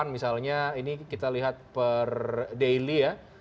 misalnya ini kita lihat per daily ya